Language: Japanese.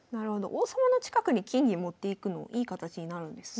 王様の近くに金銀持っていくのいい形になるんですね。